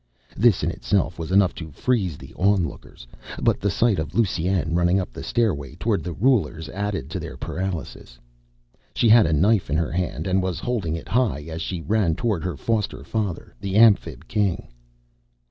This in itself was enough to freeze the onlookers. But the sight of Lusine running up the stairway towards the rulers added to their paralysis. She had a knife in her hand and was holding it high as she ran toward her foster father, the Amphib King.